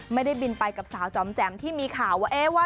ไม่ได้บินไปกับสาวจอมแจ่มที่มีข่าวว่า